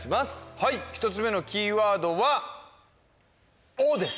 はい１つ目のキーワードは「お」です